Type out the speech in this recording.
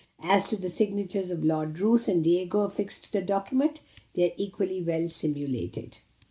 As to the signatures of Lord Roos and Diego affixed to the document, they are equally well simulated."